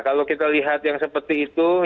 kalau kita lihat yang seperti itu